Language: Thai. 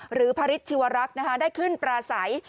หรือพาริชชีวรักษณ์นะฮะได้ขึ้นปราสัย